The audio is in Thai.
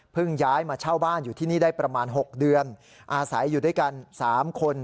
ย้ายมาเช่าบ้านอยู่ที่นี่ได้ประมาณ๖เดือนอาศัยอยู่ด้วยกัน๓คน